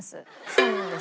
そうなんです。